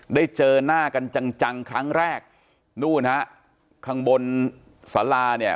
ได้เจอหน้ากันจังจังครั้งแรกนู่นฮะข้างบนสาราเนี่ย